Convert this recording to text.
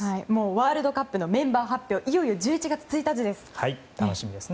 ワールドカップのメンバー発表は１１月１日です。